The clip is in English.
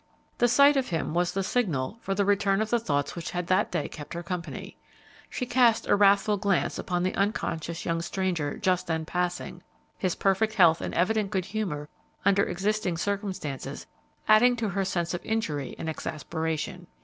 The sight of him was the signal for the return of the thoughts which had that day kept her company. She cast a wrathful glance upon the unconscious young stranger just then passing, his perfect health and evident good humor under existing circumstances adding to her sense of injury and exasperation.